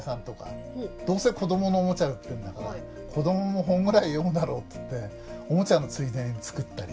どうせ子どものおもちゃ売ってんだから子どもも本ぐらい読むだろうっつっておもちゃのついでに作ったり。